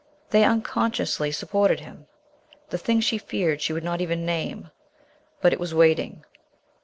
They unconsciously supported him. The thing she feared she would not even name. But it was waiting.